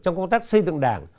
trong công tác xây dựng đảng